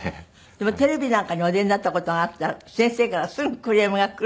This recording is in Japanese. でもテレビなんかにお出になった事があったら先生からすぐクレームが来るって。